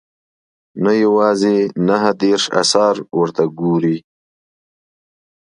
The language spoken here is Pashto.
نه یوازې نهه دېرش اثار ورته ګوري.